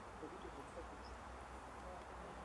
Il habite aujourd'hui à Bruxelles.